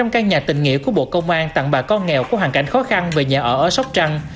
một hai trăm linh căn nhà tình nghĩa của bộ công an tặng bà con nghèo có hoàn cảnh khó khăn về nhà ở ở sóc trăng